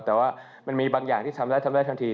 แต่ว่ามันมีบางอย่างที่ทำได้ทำได้ทันที